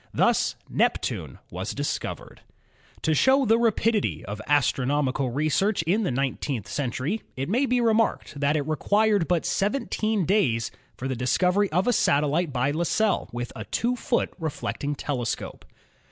Thus Neptune was discovered. To show the rapidity of astronomical research in the nine teenth century it may be remarked that it required but THE SOLAR SYSTEM 85 seventeen days for the discovery of a satellite by Lassell (1799 1880) with a two foot reflecting telescope.